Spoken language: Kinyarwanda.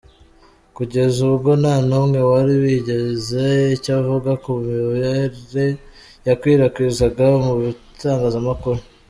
Kugeza ubwo nta n'umwe wari wagize icyo avuga ku mibare yakwirakwizwaga mu bitangazamakuru.